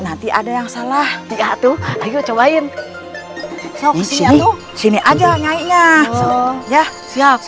nanti ada yang salah diatu ayo cobain sop isi aduh sini aja nyainya ya siap sok yo